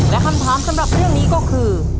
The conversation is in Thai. และคำถามสำหรับเรื่องนี้ก็คือ